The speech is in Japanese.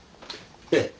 ええ。